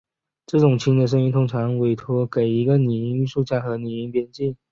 这种轻的声音通常委托给一个拟音艺术家和拟音编辑。